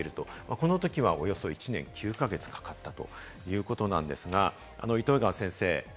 このときはおよそ１年９か月かかったということなんですが、糸魚川先生。